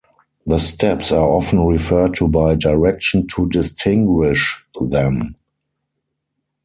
The steps are often referred to by direction to distinguish them.